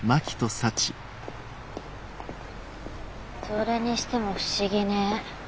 それにしても不思議ね。